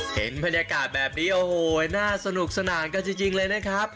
เห็นบรรยากาศแบบนี้โอ้โหน่าสนุกสนานกันจริงเลยนะครับ